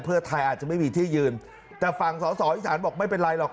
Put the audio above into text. เพื่อไทยอาจจะไม่มีที่ยืนแต่ฝั่งสอสออีสานบอกไม่เป็นไรหรอก